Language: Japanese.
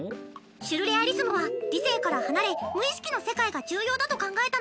シュルレアリスムは理性から離れ無意識の世界が重要だと考えたの。